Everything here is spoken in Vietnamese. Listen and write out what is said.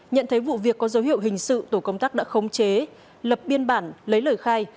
nhận thấy vụ việc có dấu hiệu hình sự tổ công tác đã khống chế lập biên bản lấy lời khai